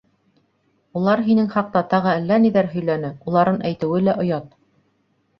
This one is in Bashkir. — Улар һинең хаҡта тағы әллә ниҙәр һөйләне, уларын әйтеүе лә оят.